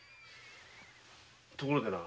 ところでな。